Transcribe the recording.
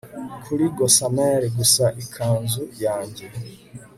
kuri gossamer gusa ikanzu yanjye